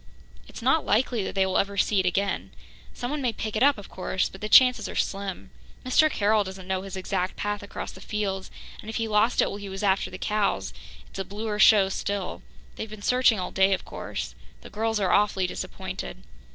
It's not likely that they will ever see it again. Someone may pick it up, of course, but the chances are slim. Mr. Carroll doesn't know his exact path across the fields, and if he lost it while he was after the cows, it's a bluer show still. They've been searching all day, of course. The girls are awfully disappointed."